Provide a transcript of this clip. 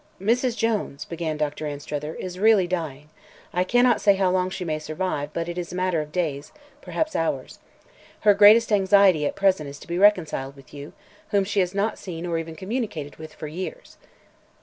"Mrs. Jones," began Dr. Anstruther, "is really dying. I cannot say how long she may survive, but it is a matter of days perhaps hours. Her greatest anxiety at present is to be reconciled with you, whom she has not seen or even communicated with for years."